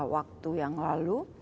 waktu yang lalu